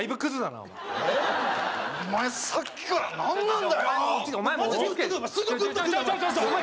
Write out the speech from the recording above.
お前、さっきから何なんだよ！